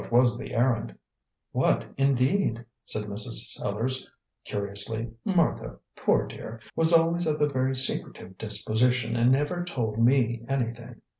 "What was the errand?" "What indeed?" said Mrs. Sellars curiously. "Martha, poor dear, was always of a very secretive disposition, and never told me anything.